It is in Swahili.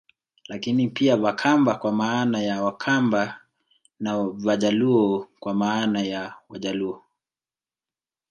Lakini pia Vakamba kwa maana ya Wakamba na Vajaluo kwa maana ya Wajaluo